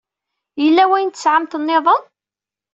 Yella wayen tesɛamt nniḍen?